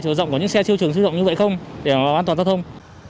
trở rộng của những xe chiêu trường sưu rộng như vậy không để hoàn toàn giao thông